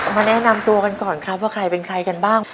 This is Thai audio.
มาแนะนำตัวกันก่อนครับว่าใครเป็นใครกันบ้าง